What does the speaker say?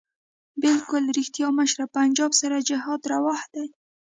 بلکل ريښتيا مشره پنجاب سره جهاد رواح دی